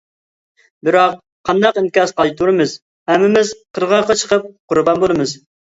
بىراق قانداق ئىنكاس قايتۇرىمىز؟ -ھەممىمىز قىرغاققا چىقىپ قۇربان بولىمىز.